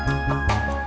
liat dong liat